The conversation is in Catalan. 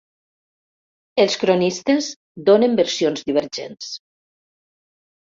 Els cronistes donen versions divergents.